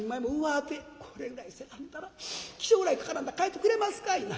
これぐらいせなんだら起請ぐらい書かなんだら帰ってくれますかいな。